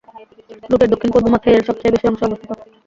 রুটের দক্ষিণ-পূর্ব মাথায় এর সবচেয়ে বেশি অংশ অবস্থিত।